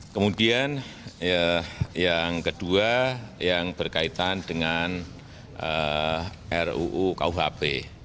kemudian yang kedua yang berkaitan dengan ruu kuhp